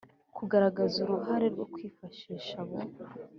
kugaragaza uruhare rwo kwifashisha abo